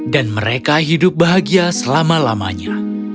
dan mereka hidup bahagia selama lamanya